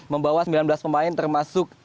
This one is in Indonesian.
membawa sembilan belas pemain termasuk